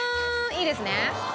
いいですね。